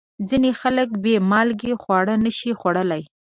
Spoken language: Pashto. ځینې خلک بې مالګې خواړه نشي خوړلی.